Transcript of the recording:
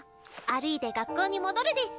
歩いて学校に戻るデス！